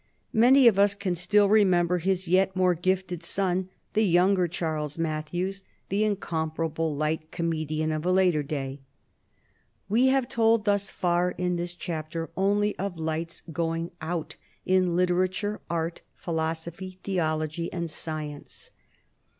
Many of us can still remember his yet more gifted son, the younger Charles Mathews, the incomparable light comedian of a later day. We have told thus far, in this chapter, only of lights going out in literature, art, philosophy, theology, and science.